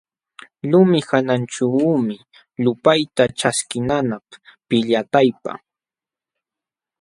Lumi hananćhuumi lupayta ćhaskinanapq pillatayka.